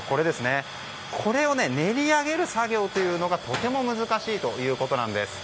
これを練り上げる作業というのがとても難しいというんです。